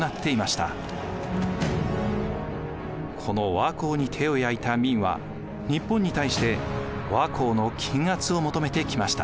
この倭寇に手を焼いた明は日本に対して倭寇の禁圧を求めてきました。